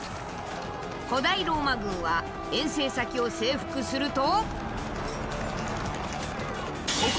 古代ローマ軍は遠征先を征服すると。